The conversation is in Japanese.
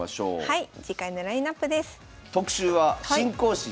はい。